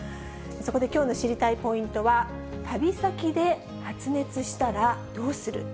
そこできょうの知りたいポイントは、旅先で発熱したらどうする。